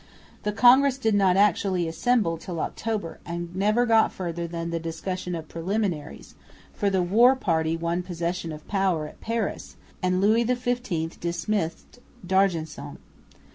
The congress did not actually assemble till October, and never got further than the discussion of preliminaries, for the war party won possession of power at Paris, and Louis XV dismissed D'Argenson.